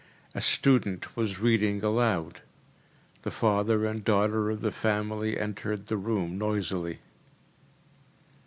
A student was reading aloud. The father and daughter of the family entered the room noisily.